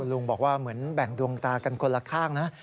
ลุงบอกว่าเหมือนแบ่งดวงตากันคนละข้างนะ